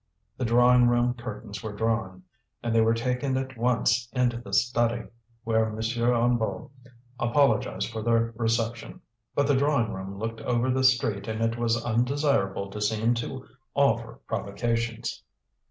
The drawing room curtains were drawn, and they were taken at once into the study, where M. Hennebeau apologized for their reception; but the drawing room looked over the street and it was undesirable to seem to offer provocations.